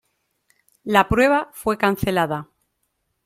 La prueba fue cancelada.